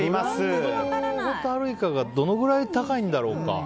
ブランドホタルイカがどのぐらい高いんだろうか。